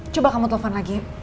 coba kamu telfon lagi